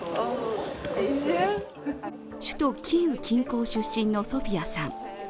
首都キーウ近郊出身のソフィアさん。